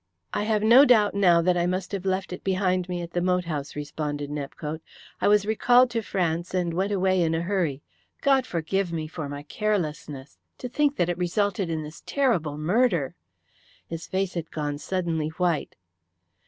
"I have no doubt now that I must have left it behind me at the moat house," responded Nepcote. "I was recalled to France and went away in a hurry. God forgive me for my carelessness. To think that it resulted in this terrible murder!" His face had gone suddenly white.